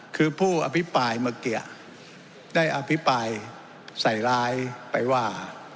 คือผู้อภิปรายเมื่อกี้ได้อภิปรายใส่ร้ายไปว่า